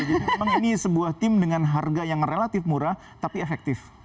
memang ini sebuah tim dengan harga yang relatif murah tapi efektif